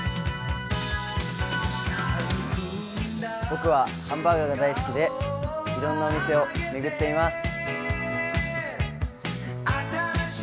僕はハンバーガーが大好きでいろんなお店を巡っています。